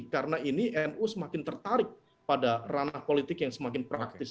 karena ini nu semakin tertarik pada ranah politik yang semakin praktis